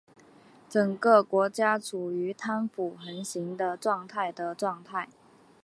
整个国家处于贪腐横行的状态的状态。